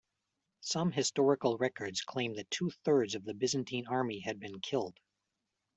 Some historical records claim that two thirds of the Byzantine army had been killed.